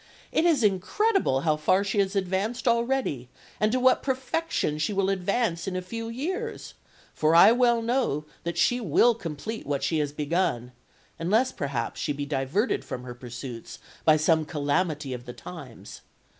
It is incredible how far she has advanced already, and to what perfection she will advance in a few years; for I well know that she will complete what she has begun, unless perhaps she be diverted from her pursuits by some calamity of the times....